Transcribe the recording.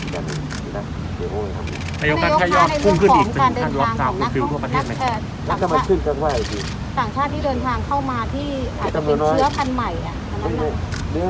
ต่างชาติที่เดินทางเข้ามาที่อาจจะมีเชื้อคันใหม่